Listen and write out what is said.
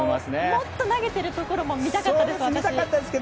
もっと投げているとこも見たかったですね。